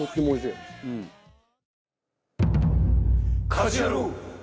『家事ヤロウ！！！』。